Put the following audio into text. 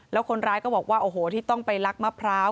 แล้วคนร้ายก็บอกว่าโอ้โหที่ต้องไปลักมะพร้าว